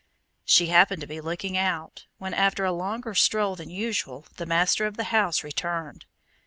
She happened to be looking out, when after a longer stroll than usual the master of the house returned.